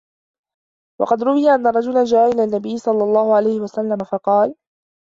وَقَدْ رُوِيَ أَنَّ رَجُلًا جَاءَ إلَى النَّبِيِّ صَلَّى اللَّهُ عَلَيْهِ وَسَلَّمَ فَقَالَ